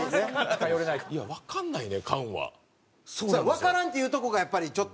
わからんっていうとこがやっぱりちょっと。